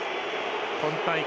今大会